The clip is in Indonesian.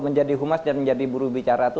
menjadi humas dan menjadi buru bicara itu